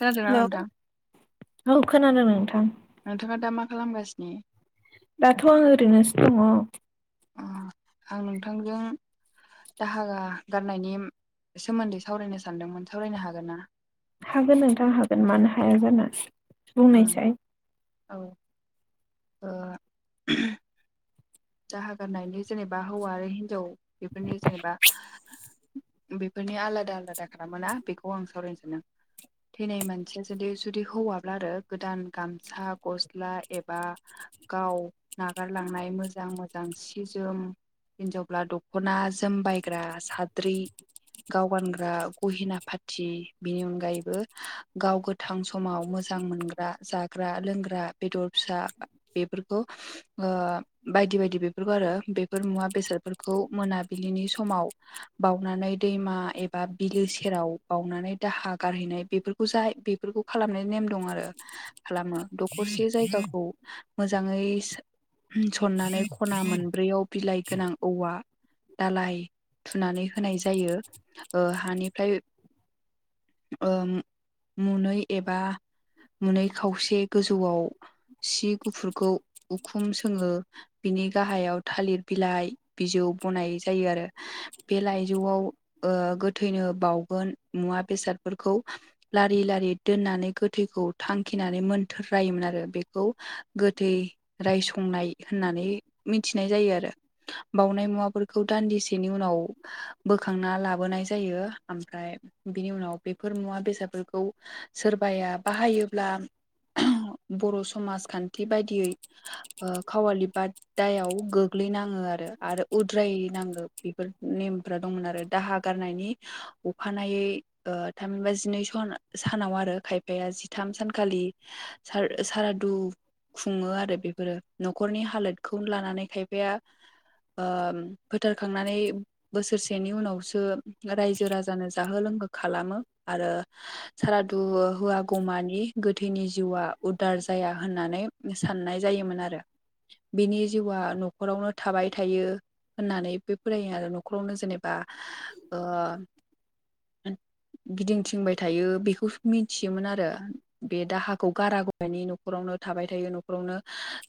खोनादोंना हेल' नोंथां औ खोनादों नोंथां। नोंथाङा दा मा खालामगासिनो? दाथ' आं ओरैनोसो दङ। अह आं नोंथांजों दाहा गारनायनि सोमोन्दै सावरायनो सानदोंमोन सावरायनो हागोन ना? हागोन नोंथां हागोन मानो हाया जाना उम बुंनायसाय। औ ओ दाहा गारनायनि जेनेबा हौवा आरो हिनजाव बेफोरनि जेनेबा बेफोरनि आलादा आलादा खालामोना बेखौ आं सावरायनो सानदों। थैनाय मानसिया जुदि जुदि हौवाब्ला आरो गोदान गामसा गस्ला एबा गाव नागारलांनाय मोजां मोजां मोजां सि जोम हिन्जावब्ला दख'ना जोमबायग्रा साद्रि गाव गानग्रा गहेना पाथि बिनि अनगायैबो गाव गोथां समाव मोजां मोनग्रा जाग्रा लोंग्रा बेदर फिसा बेफोरखौ ओ बायदि बायदि बेफोरखौ आरो बेफोर मुवा बेसादफोरखौ मोनाबिलिनि समाव बाउनानै दैमा एबा बिलो सेराव बानानै दाहा गारहैनाय बेफोरखौ जाय बेफोरखौ खालामनाय नेम दं आरो खालामो दखरसे जायगाखौ मोजाङै सननानै खना मोनब्रैयाव बिलाइ गोनां औवा दालाय थुनानै होनाय जायो हानिफ्राय ओ मुनै एबा मोनै खावसे गोजौआव सि गुफुरखौ उखुम सोङो बिनि गाहायाव थालिर बिलाइ बिजौ बनाय जायो आरो बे लाइजौआव ओ गोथैनो बाउगोन मुवा बेसादफोरखौ लारि लारि दोननानै गोथैखौ थांखिनानै मोनथोरलायोमोन आरो बेखौ गोथै रायसंनाय होननानै मिथिनाय जायो आरो बावउनाय मुवाफोरखौ दान्दिसेनि उनाव बोखांना लाबोनाय जायो ओमफ्राय बिनि उनाव बेफोर मुवा बेसादफोरखौ सोरबाया बाहायोब्ला बर' समाजखान्थि बायदियै खावालि बाद दायाव गोग्लैनाङो आरो आरो उद्राय नाङो बेफोर नेमफ्रा दंमोन आरो दाहा गारनायनि अखानायै ओ थामहिनबा जिनै सन सानाव आरो खायफाया जिथाम सानखालि सार सारादु खुङो आरो बेफोरो न'खरनि हालोदखौ लानानै खायफाया ओ फोथारखांनानै बोसोरसेनि उनावसो रायजो राजानो जाहो लोंहो खालामो आरो सारादु होआगौमानि गोथैनि जिउआ उदार जाया होननानै साननाय जायोमोन आरो बिनि जिउआ न'खरावनो थाबाय थायो होननानै बे फोरायो आरो न'खरावनो जेनेबा ओ गिदिंथिंबाय थायो बेखौ मिथियोमोन आरो बे दाहाखौ गारागौमानि न'खरावनो थाबाय थायो न'खरावनो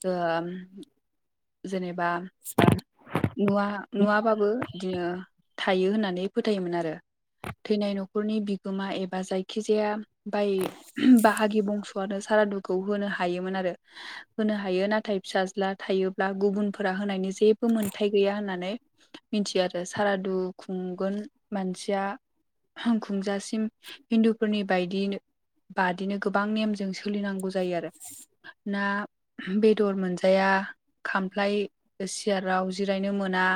ओ‌ जेनेबा नुवा नुवाबाबो बिदिनो थायो होननानै फोथायोमोन आरो। थैनाय न'खरनि बिगोमा एबा जायखिजाया बाय बाहागि बंस'आनो सारादुखौ होनो हायोमोन आरो होनो हायो नाथाय। हाथाय फिसाज्ला थायोब्ला गुबुनफोरा होनायनि जेबो मोन्थाय गैया होननानै मिथियो आरो सारादु खुंगोन मानसिया हांखुंजासि जों हिन्दुफोरनि बायदिनो बादिनो गोबां नेमजों सोलिनांगौ जायो आरो। ना बे दर मोनजाया खामफ्लाय सियाराव जिरायनो मोना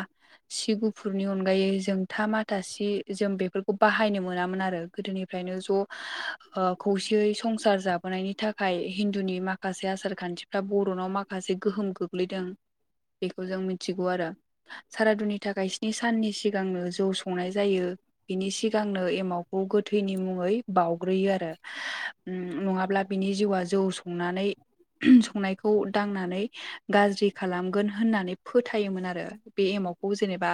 सि गुफुरनि अनगायै जोंथा माथा सि जों बेफोरखौ बाहायनो मोनामोन आरो। गोदोनिफ्रायनो ज' ओ खौसेयै संसार जाबोनायनि थाखाय हिन्दुनि माखासे आसार खान्थिफ्रा बर बर'नाव माखासे गोहोम गोग्लैदों बेखौ जों मिथिगौ आरो सारादुनि थाखाय स्नि साननि सिगांनो जौ संनाय जायो। बिनि सिगांनो एमावखौ गोथैनि मुङै बाउग्रोयो आरो नङाब्ला बिनि जिउआ जौ संनानै संनायखौ खौ दांनानै गाज्रि खालामगोन होननानै फोथायोमोन आरो बे एमाव खौ जेनेबा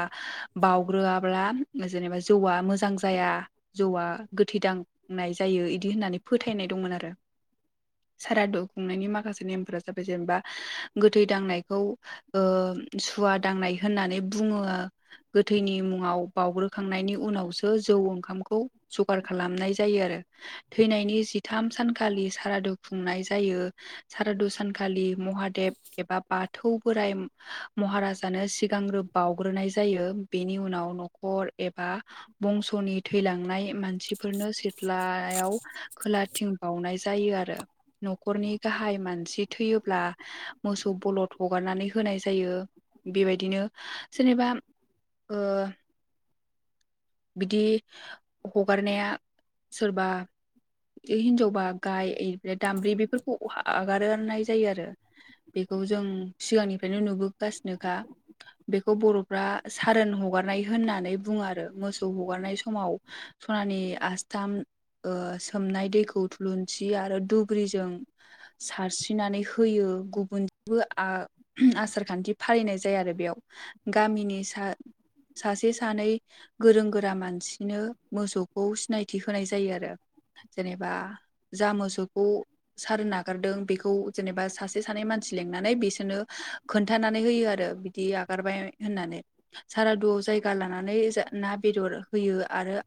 बावउग्रोआब्ला जेनेबा जौआ मोजां जाया। जौआ गोथैदांनाय जायो इदि होननानै फोथायनाय दंमोन आरो। सारादु खुंनायनि माखासे नेमफोरा जाबाय जेनेबा गोथै दांनायखौ ओ सुवा दांनाय होननानै बुङो। गोथैनि मुङाव बावउग्रोखांनायनि उनावसो जौ ओंखामखौ जगार खालामनाय जायो आरो। थैनायनि जिथाम सानखालि सारादु खुंनाय जायो सारादु सान खालि महादेब एबा बाथौ बोराइ महाराजानो सिगांग्रो बावग्रोनाय जायो बेनि उनाव न'खर एबा बंस'नि थैलांनाय मानसिफोरनो सिथ्लायाव खोलाथिं बावनाय जायो आरो न'खरनि गाहाय मानसि थैयोब्ला मोसौ बलद हगारनानै होनाय जायो बेबायदिनो जेनेबा बिदि हगारनाया सोरबा ओइ हिनजावबा गाय दामब्रि बेफोरखौ आगारनाय जायो आरो बेखौ जों सिगांनिफ्रायनो नुबोगासिनोखा बेखौ बर'फ्रा सारोन हगारनाय होननानै बुङो आरो मोसौ हगारनाय समाव सनानि आस्थाम ओ सोमनाय दैखौ थुलुंसि आरो दुब्रिजों सारसि नानै होयो गुबुन जेबो आसार खान्थि फालिनाय जाया आरो बेयाव गामिनि सा सासे सानै गोरों गोरा मानसिनो मोसौखौ सिनायथि होनाय जायो आरो जेनेबा जा मोसौखौ सारोन आगारदों बे खौ जेनेबा सासे सानै मानसि लेंनानै बिसोरनो खोन्थानानै होयो आरो बिदि आगारबाय होननानै सारादुआव जायगा लानानै ना बेदर होयो आरो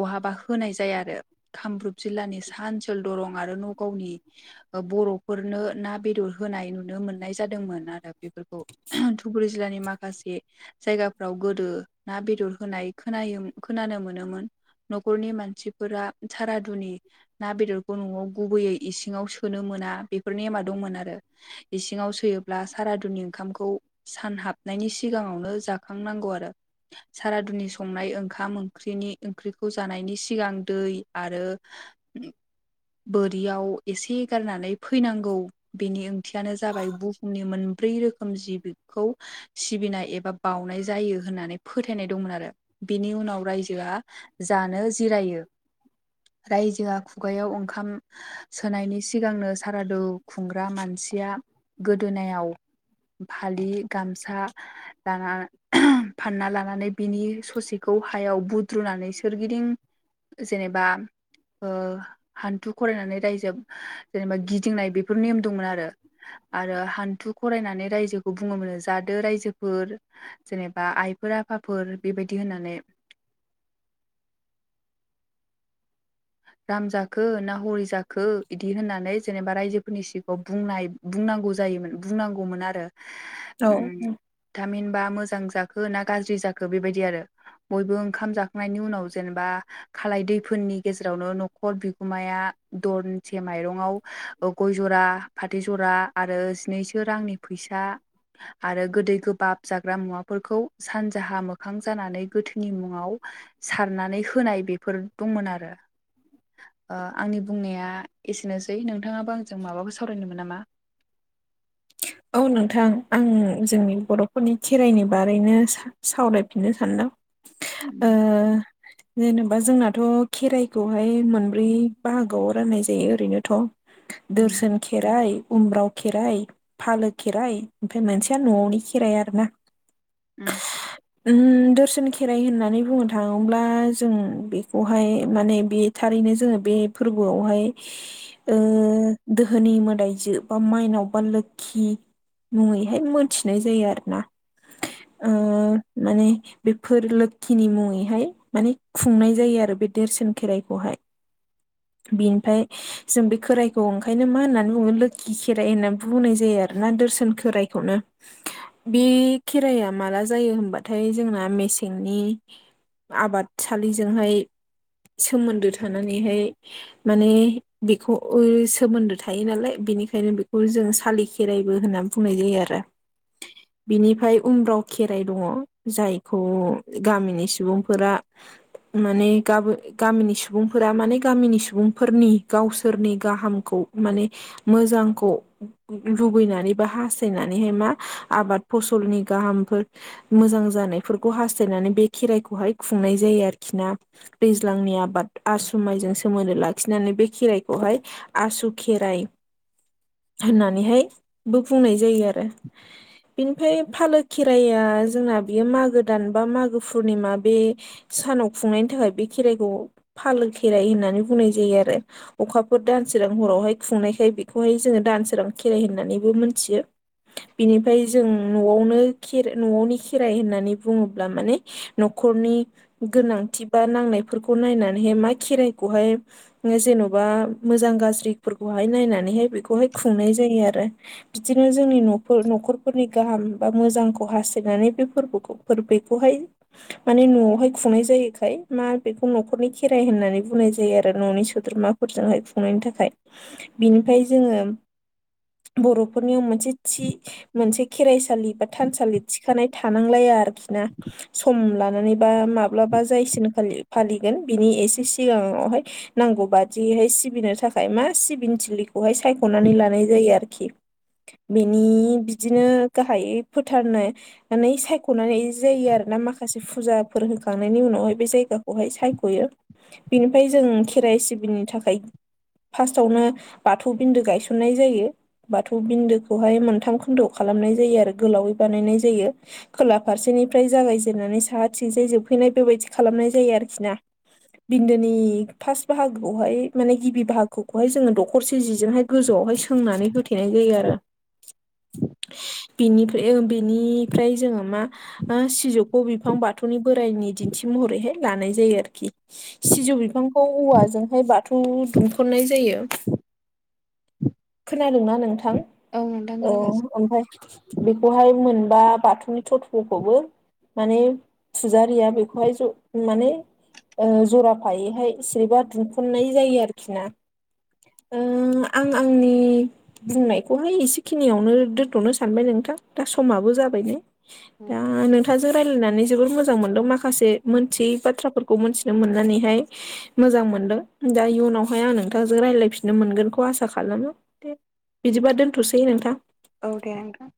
बहाबा होनाय जाया आरो। कामरुप जिल्लानि साहा ओनसोल दरं आरो नगावनि ओ बर'। हरनो ना बेदर होनाय नुनो मोननाय जादोंमोन आरो बेफोरखौ धुबुरि जिलानि माखासे जायगाफ्राव गोदो ना बेदर होनाय खोनायोम खोनानो मोनोमोन। न'खरनि मानसिफोरा सारादुनि ना बेदरखौ न'आव गुबैयै इसिङाव सोनो मोना बेफोर नेमा दंमोन आरो इसिङाव सोयोब्ला सारादुनि ओंखामखौ सान हाबनायनि सिगाङावनो जाखांनांगौ आरो सारादुनि संनाय ओंखाम ओंख्रिनि। ओंख्रिखौ जानायनि सिगां दै आरो। बोरियाव एसे गारनानै फैनांगौ बेनि ओंथियानो जाबाय बुहुमनि मोनब्रै रोखोम जिबि खौ सिबिनाय एबा बावनाय जायो होननानै फोथायनाय दंमोन आरो। बिनि उनाव रायजोआ जानो जिरायो। रायजोआ खुगायाव ओंखाम सोनायनि सिगांनो। सारादु खुंग्रा मानसिया गोदोनायाव फालि गामसा दाना फानना लानानै बिनि ससेखौ हायाव बुद्रुनानै सोरगिदिं जेनेबा ओ हान्थु खरायनानै रायजोब जेनेबा गिदिंनाय बेफोर नेम दंमोन आरो आरो हान्थु खरायनानै रायजोखौ बुङोमोन जादो रायजोफोर। जेनेबा आइफोर आफाफोर बेबायदि होननानै। राम जाखो ना हरि जाखो बिदि होननानै जेनेबा रायजोफोरनि सिगाङाव बुंनाय। बुंनांगौ जायोमोन बुंनांगौमोन आरो औ ओम थामहिनबा मोजां जाखो ना गाज्रि जाखो बेबायदि आरो बयबो ओंखाम जाखांनायनि उनाव जेनेबा खालाय दैफोननि गेजेरावनो न'खर बिगोमाया दनसे माइरंआव गय जरा फाथै जरा आरो जिनैसो रांनि फैसा आरो गोदै गोबाब जाग्रा मुवाफोरखौ सानजाहा मोखां जानानै गोथैनि मुङाव सारनानै होनाय बेफोर दंमोन आरो ओ आंनि बुंनाया एसेनोसै नोंथाङाबो आंजों माबाखौ सावरायनोमोन नामा? औ नोंथां आं जोंनि बर'फोरनि खेराइनि बारैनो सा-सावरायफिननो सानदों। ओ उम जेनेबा जोंनाथ' खेराइखौहाय मोनब्रै बाहागोआव राननाय जायो ओरैनोथ' उम दोर्सोन खेराइ, उम्राव खेराइ फालो खेराइ, ओमफाय मोनसेया न'आवनि खेराइ आरो ना। उम। ओम दोर्सोन खेराइ होननानै बुंनो थाङोब्ला जों बेखौहाय माने बि थारैनो जोङो बे फोरबोआवहाय ओ दोहोनि मोदायजो बा माइनाव बान्दो खि मुङैहाय मोनथिनाय जायो आरो ना ओ माने बेफोर लोखिनि मुङैहाय माने खुंनाय जायो आरो बे देरसोन खेराइखौहाय। [inaudible] बेनिफाय जों बे खोराइखौ ओंखायनो मा होननानै बुङो लोखि खेराइ होननानै बुंनाय। जायो आरोना दोर्सोन खोरायखौनो बे खेराया माला जायो होनबाथाय जोंना मेसेंनि आबादसालिजोंहाय सोमोन्दो थानानैहाय माने बेखौ सोमोन्दो थायो नालाय बेनिखायनो बेखौ जों सालिखि खेराइबो होननानै बुंनाय जायो आरो [inaudible] बिनिफ्राय उमराव खेराइ दङ जायखौ गामिनि सुबुंफोरा माने गाब गामिनि सुबुंफोरा माने गामिनि सुबुंफोरनि गावसोरनि गाहामखौ माने मोजांखौ लुुबैनानै बा हास्थायनानैहाय मा आबाद फसलनि गाहामफोर मोजां जानायफोरखौ हास्थायनानै बे खेराइखौहाय खुंनाय जायो आरोखि ना दैज्लांनि आबाद आसुमाइजों सोमोन्दो लाखिनानै बे खेराइखौहाय आसु खेराइ होननानैहाय बो बुंनाय जायो आरो बिनिफ्राय फालो खेराया जोंना बियो मागो दान बा मागो पुर्निमा बे सानाव खुंनायनि थाखाय बे खेराइखौ फालो खेराइ होननानै बुंनाय जायो आरो अखाफोर दानसोरां हरावहाय खुंनायखाय बेखौहाय जोङो दानसोरां खेराइ होननानैबो मोनथियो बिनिफ्राय जों न'आवनो खे न'आवनि खेराइ होननानै बुङोब्ला माने न'खरनि गोनांथि बा नांनायफोरखौ नायनानैहाय मा खेराइखौहाय। जेन'बा मोजां गाज्रिफोरखौहाय नायनानैहाय बेखौहाय खुंनाय जायो आरो बिदिनो जोंनि न' न'खरफोरनि गाहाम बा मोजांखौ हास्थायनानै बे फोरबोखौ फोर बेखौहाय माने न'आवहाय खुंनाय जायोखाय मा बेखौ न'खरनि खेराइ होननानै बुंनाय जायो आरो न'नि सोद्रोमा फोरजोंहाय खुंनायनि थाखाय बिनिफ्राय जोङो बर'फोरनियाव मोनसे थि मोनसे खेराइसालि बा थानसालि थिखानाय थानांलाया आरोखि ना सम लानानै बा माब्लाबा जायसिन फालिगोन बिनि एसे सिगाङावहाय नांगौ बादिहाय सिबिनो थाखाय मा सिबिनो थिलिखौहाय सायख'नानै लानाय जायो आरोखि बेनि बिदिनो गाहायै फोथारनाय माने सायख'नानै जायो आरो ना माखासे फुजाफोर होखांनायनि उनावहाय बे जायगाखौहाय सायख'यो बिनिफ्राय जों खेराइ सिबिनो थाखाय फार्स्टआवनो बाथौ बिन्दो गायसननाय जायो बाथौ बिन्दोखौहाय मोनथाम खोन्दोआव खालामनाय जायो आरो गोलावै बानायनाय जायो खोला फारसेनिफ्राय जागायजेननानै साहा थिंजाय जोबहैनाय बेबायदि खालामनाय जायो आरोखि ना बिन्दोनि फार्स्ट बाहागोआवहाय माने गिबि बाहागोखौहाय जोङो दखरसे जिजोंहाय गोजौआवहाय सो सोंनानै होथेनाय जायो आरो बेनिफ्राय बेनिफ्राय जोङो मा ओ सिजौखौ बिफां बाथौनि बोराइनि दिन्थि महरैहाय लानाय जायो आरोखि सिजौ बिफांखौ औवाजोंहाय बाथौ दुमखननाय जायो खोनादोंना नोंथां औ नोंथां औ खोनागासिनो ओमफ्राय बेखौहाय मोनबा बाथौनि थथ'खौबो माने फुजारिया बेखौहाय ज' माने ओ जराफायैहाय सिरिबा दुंफ'नाय जायो आरोखि ना ओ आं-आं [inaudible] बुंनायखौहाय एसेखिनियावनो दोन्थ'नो सानबाय नोंथां दा समाबो जाबाय नै दा नोंथां जों रायलायनानै जोबबोोर मोजां मोनदों माखासे मोनथियै बाथ्राफोरखौ मोनथिनो मोननानैहाय मोजां मोनदों दा इयुनावहाय आं नोंथांजों रायज्लायफिननो मोनगोनखौ आसा आसा खालामो दे बिदिबा दोनथ'सै नोंथां औ दे नोंथां